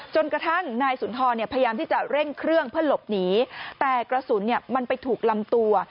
จนกระทั่งนายสุนทรเนี่ยพยายามที่จะเร่งเครื่องเพื่อหลบหนีแต่กระสุนมันไปถูกลำตัว